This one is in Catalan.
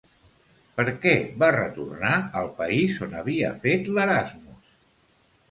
Per què va retornar al país on havia fet l'Erasmus?